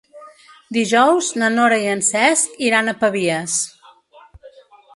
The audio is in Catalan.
Dijous na Nora i en Cesc iran a Pavies.